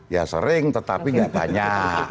ya sering tetapi gak banyak